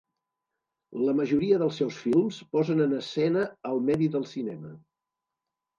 La majoria dels seus films posen en escena el medi del cinema.